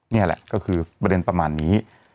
นี่แหละก็คือประเด็นประมาณนี้